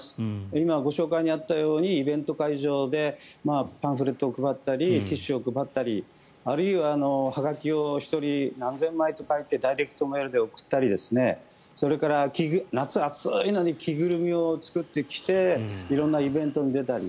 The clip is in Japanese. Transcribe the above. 今、ご紹介にあったようにイベント会場でパンフレットを配ったりティッシュを配ったりあるいは、はがきを１人何千枚と書いてダイレクトメールで送ったりそれから夏、暑いのに着ぐるみを作って着て色んなイベントに出たり。